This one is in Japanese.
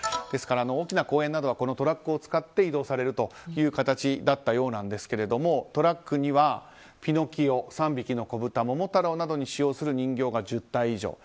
ですから大きな公演などはこのとらっくをつかって移動されるという形だったようなんですがトラックには「ピノキオ」「三匹のこぶた」「桃太郎」などに使用する人形１０体以上。